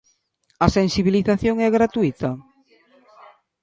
¿A sensibilización é gratuíta?